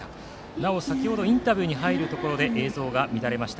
なお先程インタビューに入るところで映像が乱れました。